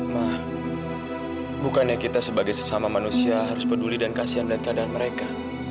mah bukannya kita sebagai sesama manusia harus peduli dan kasihan melihat keadaan mereka